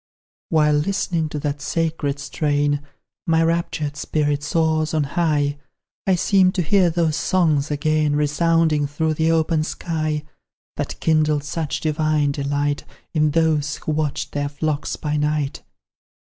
While listening to that sacred strain, My raptured spirit soars on high; I seem to hear those songs again Resounding through the open sky, That kindled such divine delight, In those who watched their flocks by night.